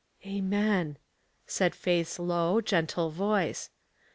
*'Amen," said Faith's low, gentle voice.